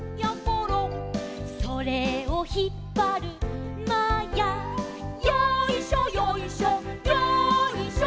「それをひっぱるまや」「よいしょよいしょよいしょ」